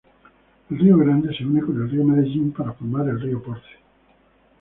El río Grande se une con el río Medellín para formar el río Porce.